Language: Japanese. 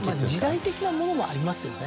時代的なものもありますよね。